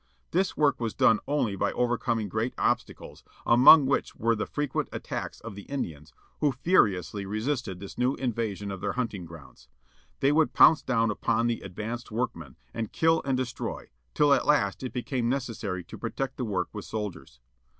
This work was done only by overcoming great obstacles, among which were the frequent attacks of the Indians, who furiously resisted this new invasion of their hunting grounds. They would pounce down upon the advanced workmen, and kill and destroy; till at last it became necessary to protect the work with soldiers.